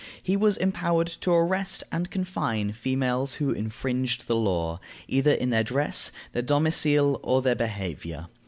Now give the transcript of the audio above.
He was empowered to arrest and confine females who infringed the law, either in their dress, their domicil, or their behavior.